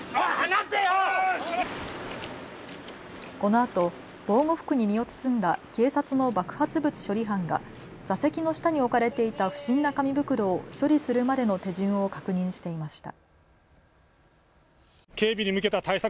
このあと防護服に身を包んだ警察の爆発物処理班が座席の下に置かれていた不審な紙袋を処理するまでの手順を確認していました。